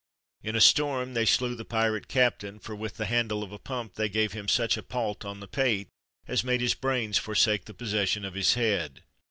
In a storm they slew the pirate captain, for with the handle of a pump " they gave him such a palt on the pate as made his brains forsake the possession of his head."